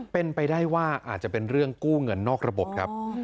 เป็นไปได้ว่าอาจจะเป็นเรื่องกู้เงินนอกระบบครับ